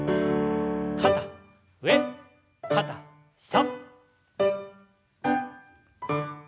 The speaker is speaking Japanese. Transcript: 肩上肩下。